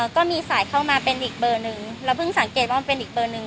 ก็มีสายเข้ามาเป็นอีกเบอร์หนึ่งแล้วเพิ่งสังเกตว่ามันเป็นอีกเบอร์หนึ่ง